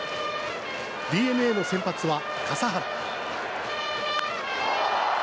ＤｅＮＡの先発は笠原。